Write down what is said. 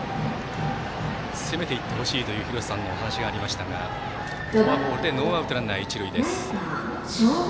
攻めていってほしいという廣瀬さんのお話がありましたがフォアボールでノーアウト、ランナー、一塁です。